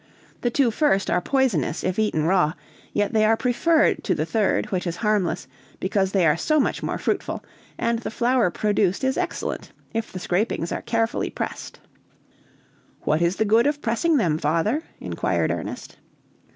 The two first are poisonous, if eaten raw, yet they are preferred to the third, which is harmless, because they are so much more fruitful, and the flour produced is excellent, if the scrapings are carefully pressed." "What is the good of pressing them, father?" inquired Ernest.